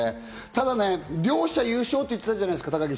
ただ両者優勝って言ってたじゃないですか。